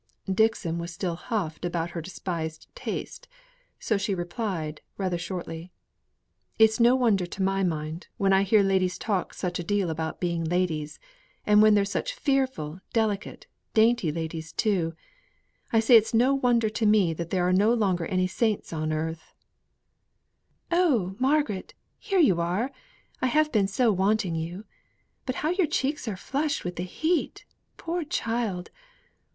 Dixon was still huffed about her despised taste; so she replied rather shortly: "It's no wonder to my mind, when I hear ladies talk such a deal about ladies and when they're such fearful, delicate, dainty ladies too I say it's no wonder to me that there are no longer any saints on earth " "Oh, Margaret! here you are! I have been so wanting you. But how your cheeks are flushed with the heat, poor child!